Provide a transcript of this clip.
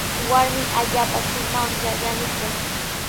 Warmi allaapa shumaqlla yanukun.